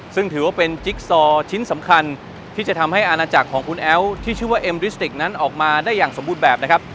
ซึ่งถือว่าเป็นจิ๊กซอร์ชิ้นสำคัญที่จะทำให้อาณาจักรของคุณแอ้วที่ชื่อว่าเอ็มดิสติกนั้นออกมาได้อย่างสมบูรณ์แบบนะครับ